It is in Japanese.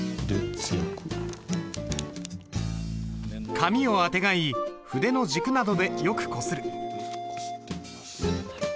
紙をあてがい筆の軸などでよくこする。